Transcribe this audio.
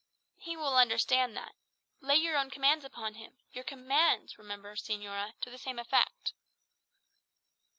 He will understand that. Lay your own commands upon him your commands, remember, señora to the same effect."